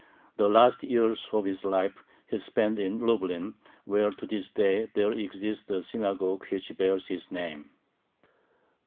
The last years of his life he spent in Lublin, where to this day there exists a synagogue which bears his name.